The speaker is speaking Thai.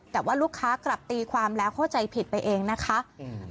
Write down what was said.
แต่ว่าลูกค้ากลับตีความแล้วเข้าใจผิดไปเองนะคะอืม